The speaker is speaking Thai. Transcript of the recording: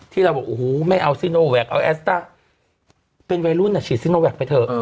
ที่เราบอกโอ้โหไม่เอาซิโนแวคเอาแอสต้าเป็นวัยรุ่นอ่ะฉีดซิโนแวคไปเถอะ